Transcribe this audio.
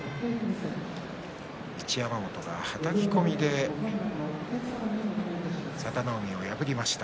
一山本が、はたき込みで佐田の海を破りました。